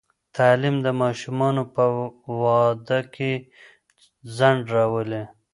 تعلیم د ماشومانو په واده کې ځنډ راولي.